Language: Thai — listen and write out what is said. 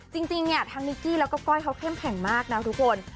จริงเนี่ยทั้งนิกกี้แล้วก็ก้อยเขาเข้มแข็งมากนะทุกคน